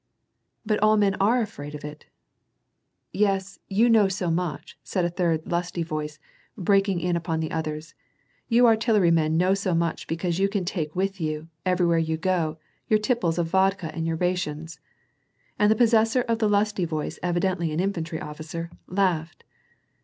'^ But all men are afraid of it." " Yes, you know so much," said a third lusty voice, break ing in upon the others. " You artillery men know so much be cause you can take with you, everywhere you go, your tipples of vocUca and your rations." And the possessor of the lusty voice, evidently an infantry officer, laughed.